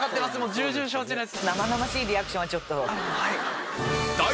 重々承知です。